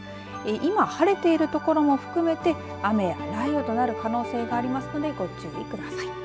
今晴れているところも含めて雨や雷雨となる可能性がありますのでご注意ください。